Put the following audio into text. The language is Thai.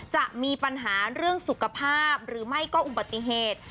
จะมีปัญหาเรื่องสุขภาพหรือไม่ก็อุบัติเหตุ